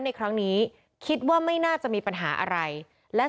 ทางคุณชัยธวัดก็บอกว่าการยื่นเรื่องแก้ไขมาตรวจสองเจน